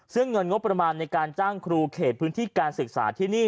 ซึ่งเงินงบประมาณในการจ้างครูเขตพื้นที่การศึกษาที่นี่